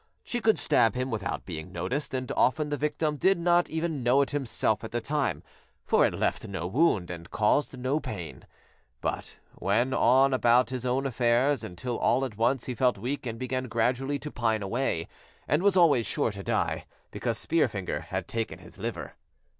She could stab him without being noticed, and often the victim did not even know it himself at the time for it left no wound and caused no pain but went on about his own affairs, until all at once he felt weak and began gradually to pine away, and was always sure to die, because Spear finger had taken his liver.